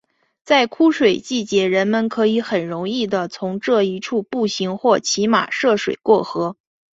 在枯水季节人们可以很容易的从这一处步行或骑马涉水过河。